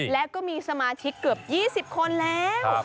และก็มีสมาชิกเกือบ๒๐คนแล้ว